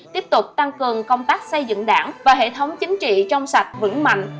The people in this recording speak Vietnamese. tiếp tục tăng cường công tác xây dựng đảng và hệ thống chính trị trong sạch vững mạnh